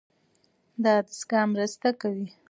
دا دستګاه مرسته کوي.